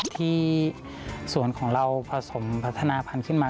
ที่สวนของเราผสมพัฒนาพันธุ์ขึ้นมา